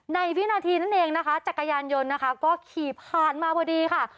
วินาทีนั่นเองนะคะจักรยานยนต์นะคะก็ขี่ผ่านมาพอดีค่ะ